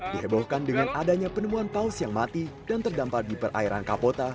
dihebohkan dengan adanya penemuan paus yang mati dan terdampar di perairan kapota